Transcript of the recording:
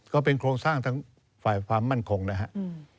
ก็เป็นโครงสร้างทั้งฝ่ายความมั่นคงนะครับ